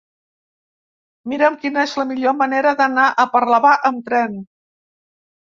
Mira'm quina és la millor manera d'anar a Parlavà amb tren.